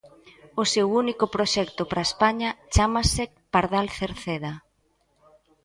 O seu único proxecto para España chámase Pardal Cerceda.